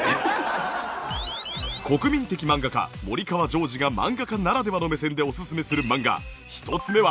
国民的漫画家森川ジョージが漫画家ならではの目線でおすすめする漫画１つ目は。